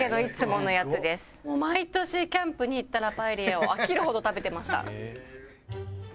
もう毎年キャンプに行ったらパエリアを飽きるほど食べてました。